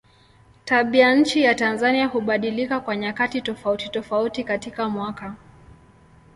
Tabianchi ya Tanzania hubadilika kwa nyakati tofautitofauti katika mwaka.